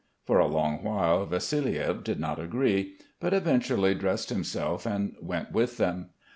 For a long while Vassiliev did not agree, but eventually dressed himself and went with them.